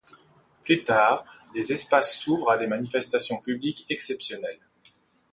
Plus tard, les espaces s'ouvrent à des manifestations publiques exceptionnelles.